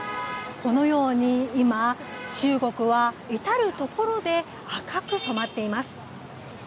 このように今、中国は至るところで紅く染まっています。